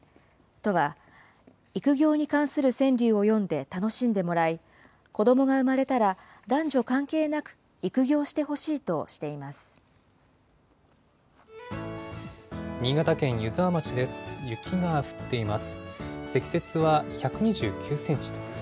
都は、育業に関する川柳を詠んで楽しんでもらい、子どもが生まれたら男女関係なく育業してほしいとしています。